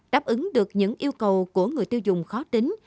đáp ứng được những yêu cầu của người tiêu dùng khó tính